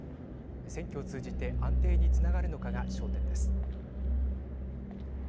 選挙を通じて安定につながるのかが焦点です。